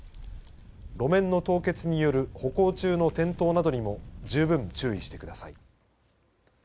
路面の凍結による歩行中の転倒などにも十分注意してください。